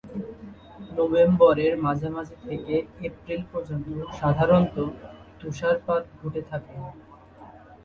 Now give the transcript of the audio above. নভেম্বরের মাঝামাঝি থেকে এপ্রিল পর্যন্ত সাধারণত তুষারপাত ঘটে থাকে।